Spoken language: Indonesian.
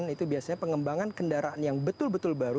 itu biasanya pengembangan kendaraan yang betul betul baru